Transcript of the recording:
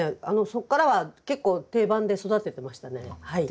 そこからは結構定番で育ててましたねはい。